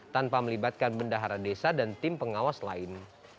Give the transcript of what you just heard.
tanpa melibatkan bendahara desa dan tim pengawas lain